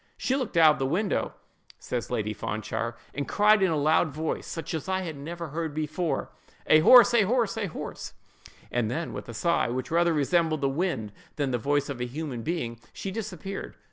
"She looked out of the window," says Lady Fanshawe, "and cried in a loud voice, such as I never before heard, 'A horse!—a horse!—a horse!' and then with a sigh, which rather resembled the wind than the voice of a human being, she disappeared.